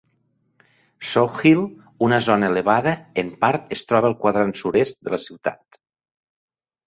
South Hill, una zona elevada, en part es troba al quadrant sud-est de la ciutat.